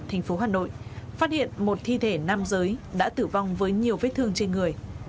thành phố hà nội phát hiện một thi thể nam giới đã tử vong với nhiều vết thương trên người